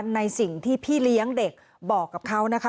ในสิ่งที่พี่เลี้ยงเด็กบอกกับเขานะคะ